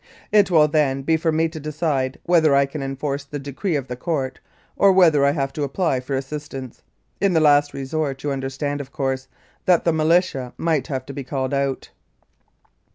It will then be for me to decide whether I can enforce the decree of the Court, or whether I have to apply for assistance. In the last resort, you under stand, of course, that the militia might have to be called out.